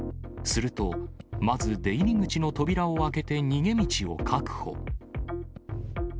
すると、まず出入り口の扉を開けて逃げ道を確保。